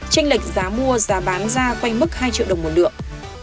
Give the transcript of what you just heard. tranh lệch giá mua giá bán ra quanh mức hai triệu đồng một lượng